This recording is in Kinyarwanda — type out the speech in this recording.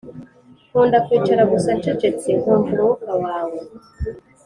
nkunda kwicara gusa ncecetse nkumva umwuka wawe